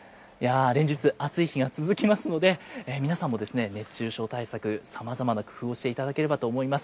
連日、暑い日が続きますので、皆さんも熱中症対策、さまざまな工夫をしていただければと思います。